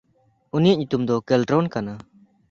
ᱩᱱᱤᱭᱟᱜ ᱧᱩᱛᱩᱢ ᱫᱚ ᱠᱮᱞᱴᱨᱚᱱ ᱠᱟᱱᱟ᱾